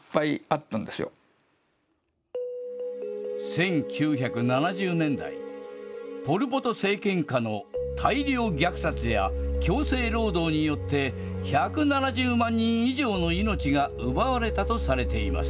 １９７０年代、ポル・ポト政権下の大量虐殺や強制労働によって、１７０万人以上の命が奪われたとされています。